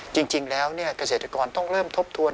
จริงแล้วเกษตรกรต้องเริ่มทบทวน